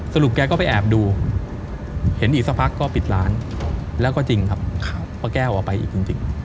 แกก็ไปแอบดูเห็นอีกสักพักก็ปิดร้านแล้วก็จริงครับป้าแก้วเอาไปอีกจริง